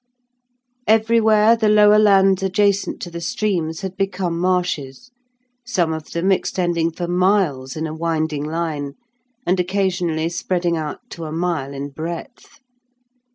Everywhere the lower lands adjacent to the streams had become marshes, some of them extending for miles in a winding line, and occasionally spreading out to a mile in breadth.